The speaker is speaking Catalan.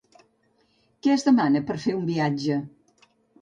Què es demana per fer un viatge?